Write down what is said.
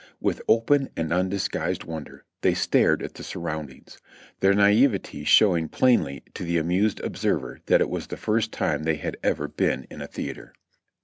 With open and undisguised wonder they stared at the surround ings, their naivete showing plainly to the amused observer that it was the first time they had e\'er been in a theatre.